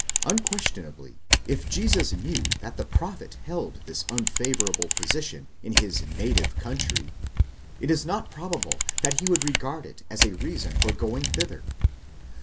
Unquestionably, if Jesus knew that the prophet held this unfavourable position in his native country, πατρίς, it is not probable that he would regard it as a reason for going thither.